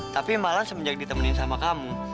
tapi malah semenjak ditemenin sama kamu